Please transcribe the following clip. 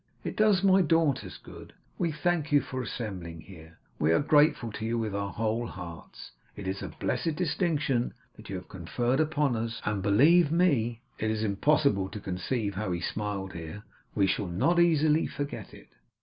It does my daughters good. We thank you for assembling here. We are grateful to you with our whole hearts. It is a blessed distinction that you have conferred upon us, and believe me' it is impossible to conceive how he smiled here 'we shall not easily forget it.